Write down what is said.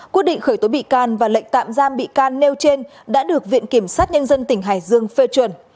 quyết định khởi tố bị can và lệnh tạm giam bị can nêu trên đã được viện kiểm sát nhân dân tỉnh hải dương phê chuẩn